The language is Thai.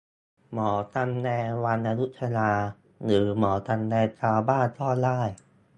หมอตำแยวังอยุธยาหรือหมอตำแยชาวบ้านก็ได้